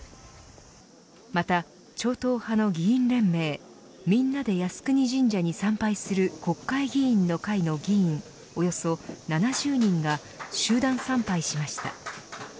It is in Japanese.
また、超党派の議員連盟みんなで靖国神社に参拝する国会議員の会の議員、およそ７０人が集団参拝しました。